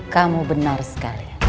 kamu benar sekali